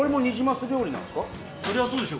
そりゃそうでしょ